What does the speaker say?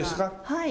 はい。